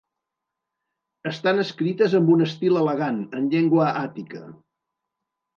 Estan escrites amb un estil elegant en llengua àtica.